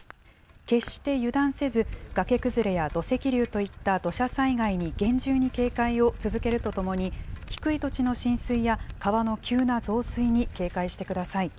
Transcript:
決して油断せず、崖崩れや土石流といった土砂災害に厳重に警戒を続けるとともに、低い土地の浸水や川の急な増水に警戒してください。